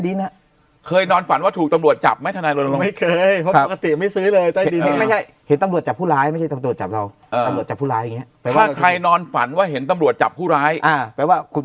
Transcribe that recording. ดินนะเคยนอนฝันว่าถูกตำรวจจับไม่ใช่คุณต้องถูกไหวหรอ